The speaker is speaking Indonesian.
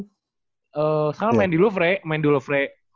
sekarang main di luvrey main di luvrey